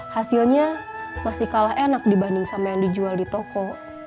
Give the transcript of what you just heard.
hasilnya masih kalah enak dibanding sama yang dijual di toko